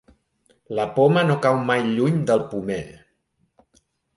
La poma no cau mai lluny del pomer.